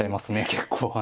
結構。